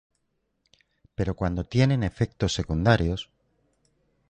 Pero cuando tienen efectos secundarios